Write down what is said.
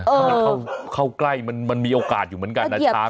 ถ้ามันเข้าใกล้มันมีโอกาสอยู่เหมือนกันนะช้าง